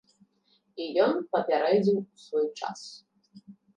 І ён папярэдзіў у свой час.